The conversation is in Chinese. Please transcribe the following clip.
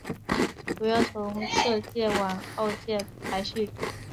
主要从浙界往粤界排列。